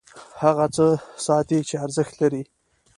هغه څه ساتي چې ارزښت لري.